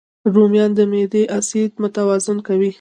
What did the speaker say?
رومیان د معدې اسید متوازن کوي